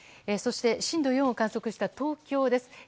そして震度４を観測した東京です。